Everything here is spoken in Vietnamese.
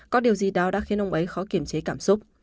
có điều gì đó đã khiến ông ấy khó kiểm chế cảm xúc